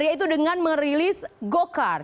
yaitu dengan merilis gocar